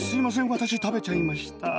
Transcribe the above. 私食べちゃいました。